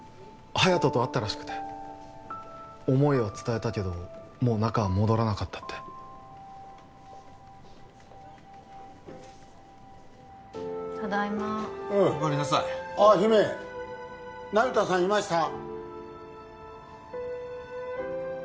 隼人と会ったらしくて思いは伝えたけどもう仲は戻らなかったってただいまおうおかえりなさいああ姫那由他さんいました？